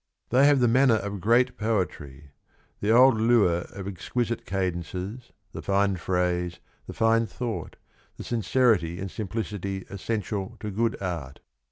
They have the manner of great poetry ... the old lure of exquisite cadences, the fine phrase, the fine thought, the sincerity and simplicity essential to good art.